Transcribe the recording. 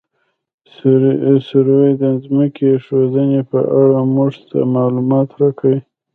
سروې د ځمکې د ښوېدنې په اړه موږ ته معلومات راکوي